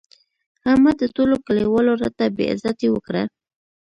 احمد د ټولو کلیوالو رټه بې عزتي وکړه.